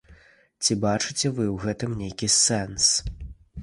Ці бачыце вы ў гэтым нейкі сэнс?